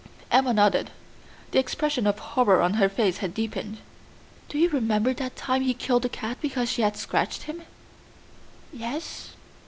Emma nodded. The expression of horror on her face had deepened. "Do you remember that time he killed the cat because she had scratched him?" "Yes.